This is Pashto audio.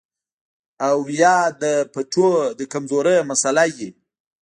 او يا د پټو د کمزورۍ مسئله وي